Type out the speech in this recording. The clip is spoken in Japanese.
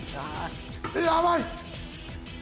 やばい！